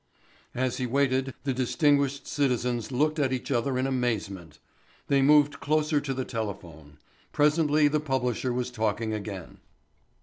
As he waited the distinguished citizens looked at each other in amazement. They moved closer to the telephone. Presently the publisher was talking again.